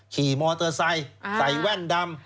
ขี่มอเตอร์ไซค์ใส่แว่นดำ